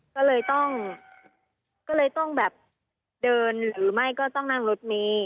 ก็เลยต้องเดินหรือไม่ก็ต้องนั่งรถเมฆ